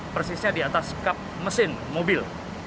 persisnya di atas kap mesin mobil